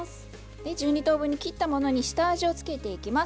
１２等分に切ったものに下味を付けていきます。